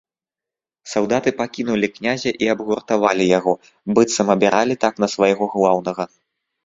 Салдаты пакінулі князя і абгуртавалі яго, быццам абіралі так на свайго глаўнага.